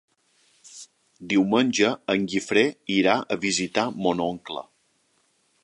Diumenge en Guifré irà a visitar mon oncle.